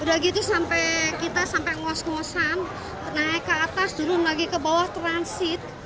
udah gitu sampai kita sampai ngos ngosan naik ke atas turun lagi ke bawah transit